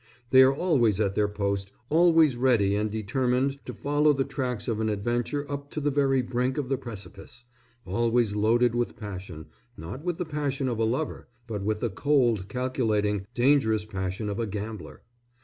They are always at their post, always ready and determined to follow the tracks of an adventure up to the very brink of the precipice, always loaded with passion, not with the passion of a lover, but with the cold, calculating, dangerous passion of a gambler.